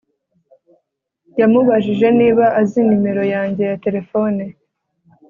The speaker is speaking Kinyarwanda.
yamubajije niba azi nimero yanjye ya terefone